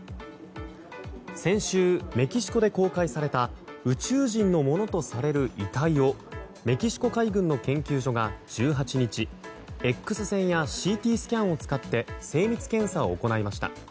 先週、メキシコで公開された宇宙人のものとされる遺体をメキシコ海軍の研究所が１８日Ｘ線やＣＴスキャンを使って精密検査を行いました。